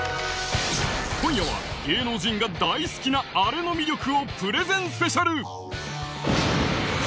今夜は芸能人が大好きなあれの魅力をプレゼンＳＰ！